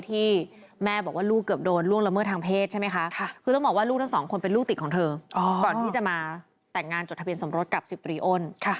ที่จะมาแต่งงานจดทะเบียนสมรสกับสิบปรีโอน